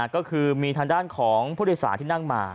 ก็คือมีทางด้านของผู้โดยสารที่นั่งมา